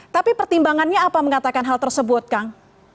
tapi pertimbangannya apa mengatakan hal tersebut kang